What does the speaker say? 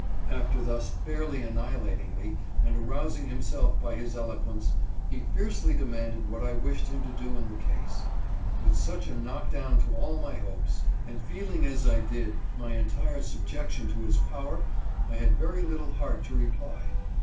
After thus fairly annihilating me, and arousing himself by his eloquence, he fiercely demanded what I wished him to do in the case ! With such a knock down to all my hopes, and feeling as I did my entire subjection to his power, I had very little heart to reply.